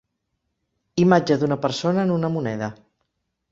Imatge d'una persona en una moneda.